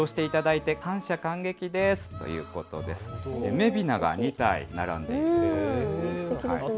女びなが２体並んでいるそうです。